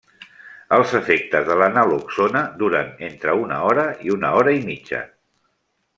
Els efectes de la naloxona duren entre una hora i una hora i mitja.